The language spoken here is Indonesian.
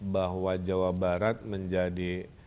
bahwa jawa barat menjadi